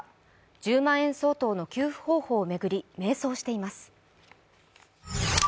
１０万円相当の給付方法を巡り迷走しています。